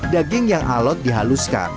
daging yang alat dihaluskan